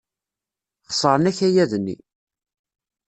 Xeṣren akayad-nni.